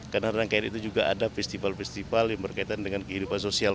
karena rangkaian itu juga ada festival festival yang berkaitan dengan kehidupan sosial